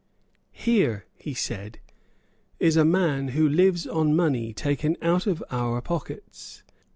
"Here," he said, "is a man who lives on money taken out of our pockets.